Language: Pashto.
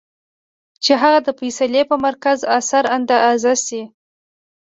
چې هغه د فېصلې پۀ مرکز اثر انداز شي -